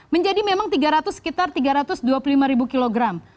menjadi memang sekitar tiga ratus dua puluh lima ribu kilogram